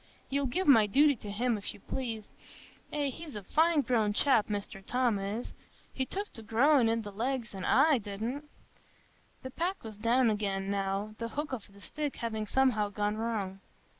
You'll give my duty to him, if you please. Eh, he's a fine growed chap, Mr Tom is; he took to growin' i' the legs, an' I didn't." The pack was down again, now, the hook of the stick having somehow gone wrong.